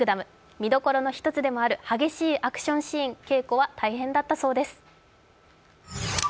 見どころの１つでもある激しいアクションシーン稽古は大変だったそうです。